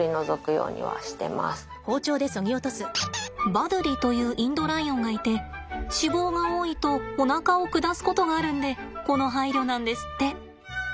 バドゥリというインドライオンがいて脂肪が多いとおなかを下すことがあるんでこの配慮なんですって。